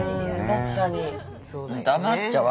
確かに。